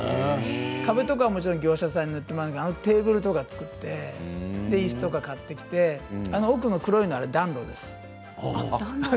壁とかはもちろん業者さんにやってもらったんですけれどテーブルとか作っていすとか買ってきてここにある黒いものは暖炉です。